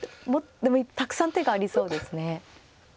でもたくさん手がありそうですね。